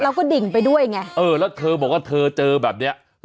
แล้วก็ดิ่งไปด้วยไงเออแล้วเธอบอกว่าเธอเจอแบบเนี้ย